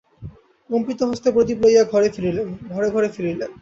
কম্পিতহস্তে প্রদীপ লইয়া ঘরে ঘরে ফিরিলেন।